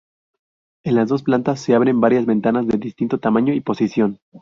En las dos plantas se abren varias ventanas de distinto tamaño y posición.